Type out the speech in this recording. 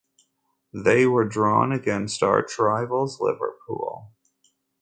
They were drawn against arch rivals Liverpool.